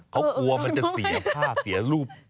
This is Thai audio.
เขากลัวมันจะเสียค่าเสียรูป